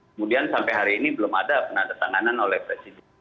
kemudian sampai hari ini belum ada penandatanganan oleh presiden